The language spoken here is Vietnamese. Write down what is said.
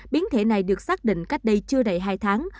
biến thể này được xác định cách đây chưa đầy hai tháng